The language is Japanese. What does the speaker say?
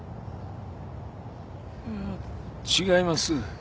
いや違います